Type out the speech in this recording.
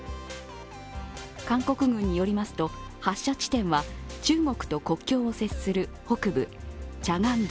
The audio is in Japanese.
韓国軍によりますと、発射地点は中国と国境を接する北部・チャガンド。